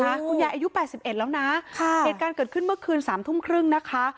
คุณยายอายุแปดสิบเอ็ดแล้วนะค่ะเอกลันเกิดขึ้นเมื่อคืนสามทุ่มครึ่งนะคะ